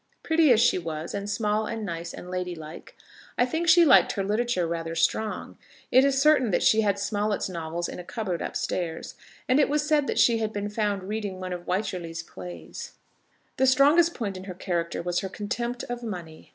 Pretty as she was, and small, and nice, and lady like, I think she liked her literature rather strong. It is certain that she had Smollett's novels in a cupboard up stairs, and it was said that she had been found reading one of Wycherley's plays. The strongest point in her character was her contempt of money.